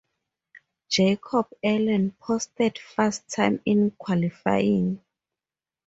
Jacob Allen posted fast time in qualifying.